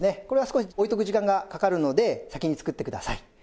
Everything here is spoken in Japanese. これは少し置いておく時間がかかるので先に作ってください。